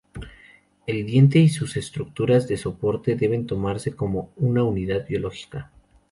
El diente y sus estructuras de soporte deben tomarse como una unidad biológica.